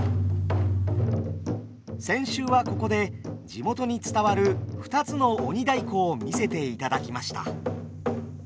先週はここで地元に伝わる２つの鬼太鼓を見せていただきました。